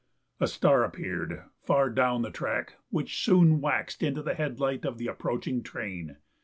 A star appeared far down the track which soon waxed into the headlight of the approaching train.